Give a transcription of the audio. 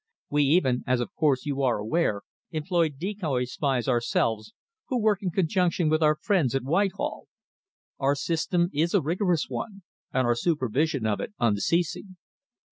We even, as of course you are aware, employ decoy spies ourselves, who work in conjunction with our friends at Whitehall. Our system is a rigorous one and our supervision of it unceasing.